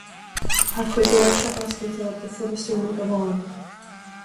A cuid doirse oscailte do Phrotastúnaigh amháin.